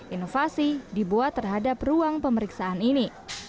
inovasi dibuat terhadap ruang pemeriksaan ini